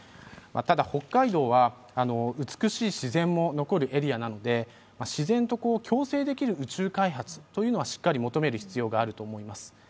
ただ北海道は美しい自然も残るエリアなので自然と共生できる宇宙開発というものはしっかり求める必要があると思います。